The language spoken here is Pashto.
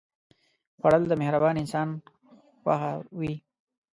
خوړل د مهربان انسان خوښه وي